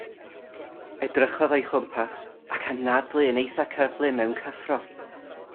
Edrychodd o'i chwmpas ac anadlu yn eithaf cyflym mewn cyffro.